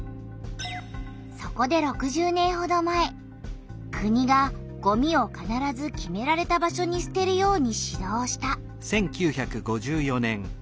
そこで６０年ほど前国がごみをかならず決められた場所にすてるように指導した。